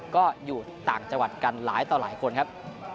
ก็อยู่ต่างจังหวัดกันหลายต่อหลายคนครับ